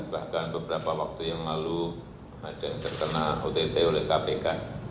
bahkan beberapa waktu yang lalu ada yang terkena ott oleh kpk